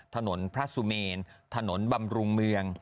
ถนนพระสุเมนถนนบำรุงเมือง